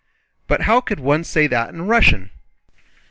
"But how could one say that in Russian?"